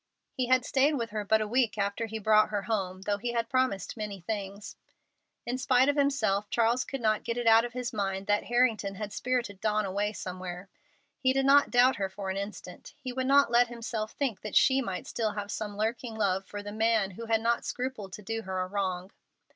He had stayed with her but a week after he brought her home, though he had promised many things. In spite of himself, Charles could not get it out of his mind that Harrington had spirited Dawn away somewhere. He did not doubt her for an instant. He would not let himself think that she might still have some lurking love for the man who had not scrupled to do her a wrong.